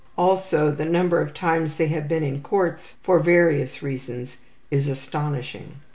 Also the number of times they have been in courts for various reasons is astonishing.